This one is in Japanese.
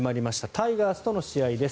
タイガースとの試合です。